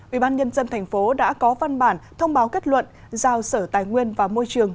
ubnd tp đã có văn bản thông báo kết luận giao sở tài nguyên và môi trường